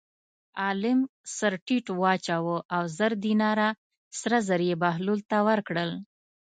عالم سر ټیټ واچاوه او زر دیناره سره زر یې بهلول ته ورکړل.